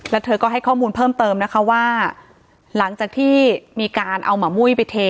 แล้วเธอก็ให้ข้อมูลเพิ่มเติมนะคะว่าหลังจากที่มีการเอาหมามุ้ยไปเท